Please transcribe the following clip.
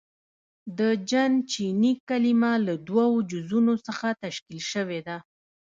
• د جن چیني کلمه له دوو جزونو څخه تشکیل شوې ده.